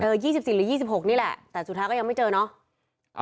เออยี่สิบสี่หรือยี่สิบหกนี่แหละแต่สุดท้ายก็ยังไม่เจอเนอะ